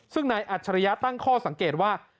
ซึ่งนายอัจฉริยะตั้งข้อสังเกตว่า